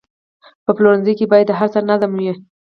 په پلورنځي کې باید د هر څه نظم وي.